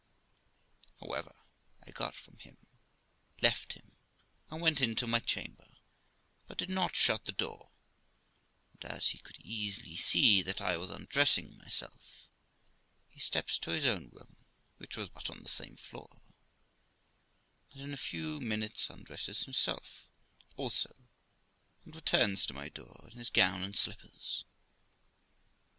However, I got from him, left him, and went into my chamber, but did not shut the door, and, as he could easily see that I was undressing myself, he steps to his own room, which was but on the same floor, and in a few minutes undresses himself also, and returns to my door in his gown and slippers.